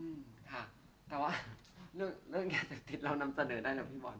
อืมค่ะแต่ว่าเรื่องเรื่องอย่างติดติดเรานำเสนอได้หรือพี่บอล